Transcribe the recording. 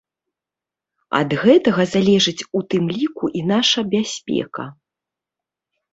Ад гэтага залежыць у тым ліку і наша бяспека.